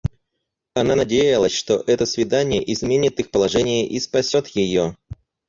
Она надеялась, что это свидание изменит их положение и спасет ее.